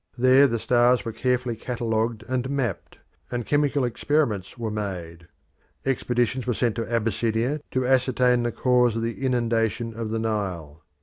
There the stars were carefully catalogued and mapped, and chemical experiments were made. Expeditions were sent to Abyssinia to ascertain the cause of the inundation of the Nile.